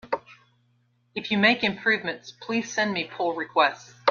If you make improvements, please send me pull requests!